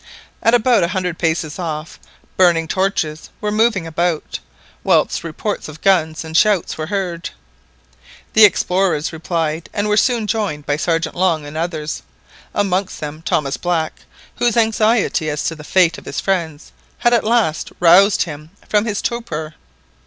At about a hundred paces off, burning torches were moving about, whilst reports of guns and shouts were heard. The explorers replied, and were soon joined by Sergeant Long and others, amongst them Thomas Black, whose anxiety as to the fate of his friends had at last roused him from his torpor.